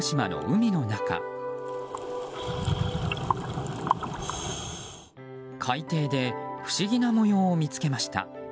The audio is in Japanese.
海底で不思議な模様を見つけました。